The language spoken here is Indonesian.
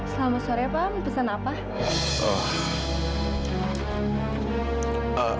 selamat sore pak pesan apa